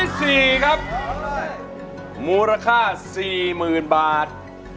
เพลงที่๔ครับมูลค่า๔๐๐๐๐บาท